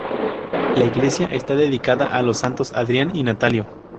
La iglesia está dedicada a los santos Adrián y Natalio.